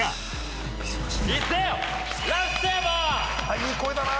いい声だな。